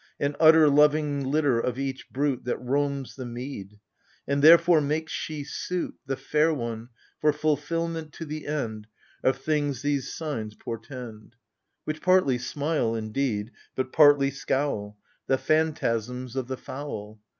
And udder loving litter of each brute That roams the mead ; and therefore makes she suit, The fair one, for fulfilment to the end Of things these signs portend — Which partly smile, indeed, but partly scowl — The phantasms of the fowl.